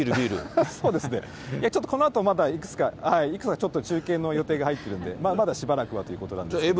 そうですね、ちょっとこのあといくつか、ちょっと中継の予定が入ってるんで、まだしばらくはということなんですけど。